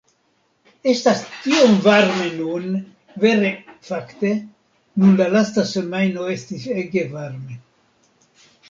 Estas tiom varme nun, vere fakte, nun la lasta semajno estis ege varme